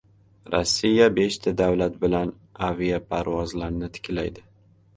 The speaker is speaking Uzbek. Rossiya beshta davlat bilan aviaparvozlarni tiklaydi